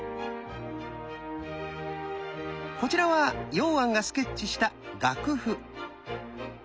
こちらは榕菴がスケッチした楽譜。